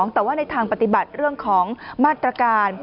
แต่ว่าในทางปฏิบัติเรื่องของมาตรการ